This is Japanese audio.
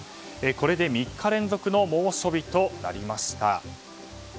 これで３日連続の猛暑日となりました。